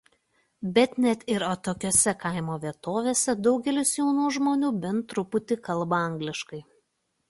Bet net ir atokiose kaimo vietovėse daugelis jaunų žmonių bent truputį kalba angliškai.